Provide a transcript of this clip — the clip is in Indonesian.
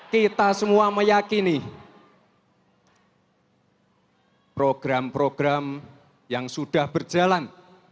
kita semua meyakini program program yang sudah berjalan